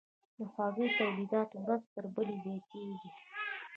د هګیو تولیدات ورځ تر بلې زیاتیږي